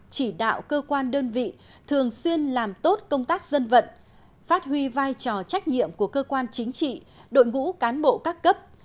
chỉ đạo cơ quan đơn vị thường xuyên làm tốt công tác dân vận phát huy vai trò trách nhiệm của cơ quan chính trị đội ngũ cán bộ các cấp